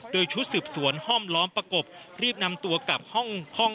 โดยชุดสืบสวนห้อมล้อมประกบรีบนำตัวกลับห้อง